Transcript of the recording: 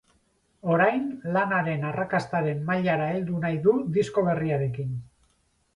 Orain, lan haren arrakastaren mailara heldu nahi du disko berriarekin.